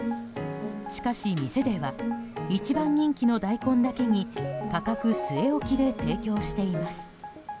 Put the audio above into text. しかし店では一番人気の大根だけに価格据え置きで提供しています。